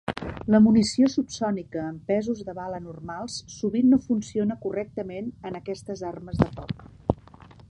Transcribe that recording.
La munició subsònica amb pesos de bala normals sovint no funciona correctament en aquestes armes de foc.